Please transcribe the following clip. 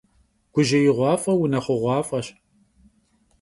Gujêiğuaf'e — vunexhuğuaf'eş.